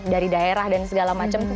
dari daerah dan segala macam